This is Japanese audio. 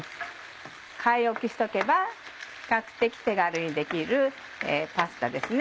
買い置きしておけば比較的手軽にできるパスタですね。